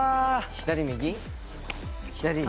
左右。